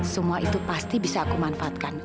semua itu pasti bisa aku manfaatkan